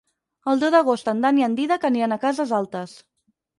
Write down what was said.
El deu d'agost en Dan i en Dídac aniran a Cases Altes.